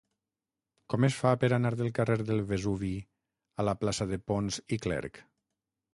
Com es fa per anar del carrer del Vesuvi a la plaça de Pons i Clerch?